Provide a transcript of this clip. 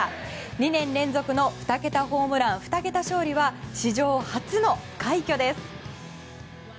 ２年連続の２桁ホームラン、２桁勝利は史上初の快挙です。